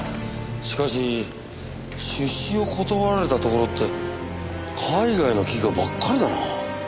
しかし出資を断られたところって海外の企業ばっかりだな。